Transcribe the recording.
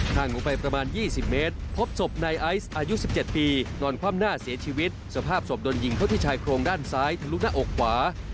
ห่างออกไปประมาณ๒๐เมตรพบศพนายไอซ์อายุ๑๗ปีนอนคว่ำหน้าเสียชีวิตสภาพศพโดนยิงเข้าที่ชายโครงด้านซ้ายทะลุหน้าอกขวา